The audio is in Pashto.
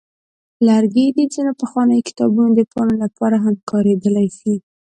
لرګي د ځینو پخوانیو کتابونو د پاڼو لپاره هم کارېدلي دي.